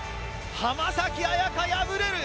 浜崎朱加、敗れる！